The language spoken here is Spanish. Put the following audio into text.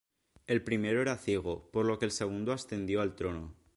El primero era ciego, por lo que el segundo ascendió al trono.